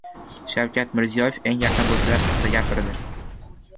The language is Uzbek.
Shavkat Mirziyoyev eng yaqin do‘stlari haqida gapirdi